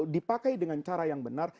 dipakai dengan cara yang benar